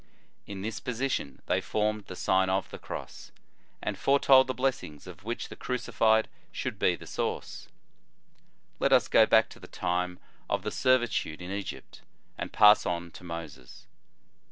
In this position they formed the Sign of the Cross, and foretold the blessings of which the Crucified should be the source."f Let us go back to the time of the servitude in Egypt, and pass on to Moses.